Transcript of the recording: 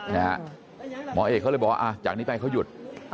หมอเอกเขาเลยบอกว่าจากนี้ไปเขาหยุด